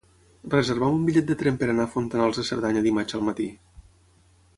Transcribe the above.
Reserva'm un bitllet de tren per anar a Fontanals de Cerdanya dimarts al matí.